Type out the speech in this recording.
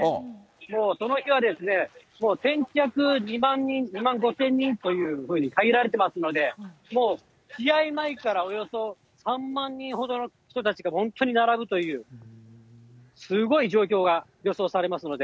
もうその日はもう先着２万５０００人というふうに限られてますので、もう試合前からおよそ３万人ほどの人たちが本当に並ぶという、すごい状況が予想されますので。